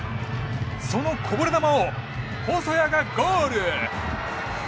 そのこぼれ球を、細谷がゴール！